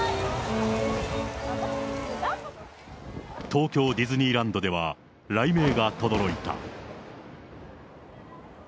東京ディズニーランドでは、雷鳴がとどろいた。